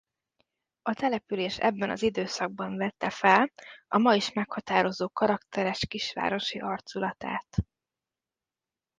A település ebben az időszakban vette fel a ma is meghatározó karakteres kisvárosi arculatát.